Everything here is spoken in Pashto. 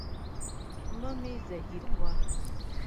مه مي زهيروه.